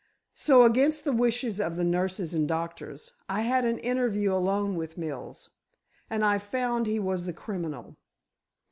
"So, against the wishes of the nurses and doctors, I had an interview alone with Mills, and I found he was the criminal."